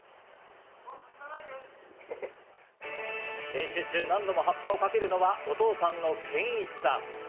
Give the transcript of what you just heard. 練習中、何度も発破をかけるのはお父さんの憲一さん。